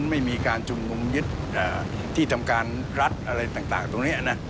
ไม่มีการชุมนุมยึดที่ทำการรัฐอะไรต่างตรงนี้นะ